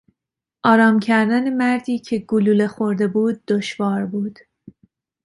آرام کردن مردی که گلوله خورده بود دشوار بود.